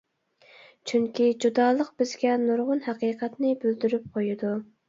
چۈنكى جۇدالىق بىزگە نۇرغۇن ھەقىقەتنى بىلدۈرۈپ قويىدۇ.